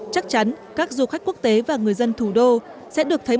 chắc chắn các du khách quốc tế và người dân thủ đô sẽ được thay đổi